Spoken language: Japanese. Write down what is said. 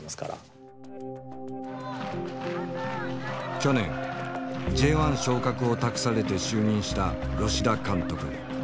去年Ｊ１昇格を託されて就任した吉田監督。